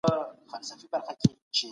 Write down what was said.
په مغني کي راغلي دي.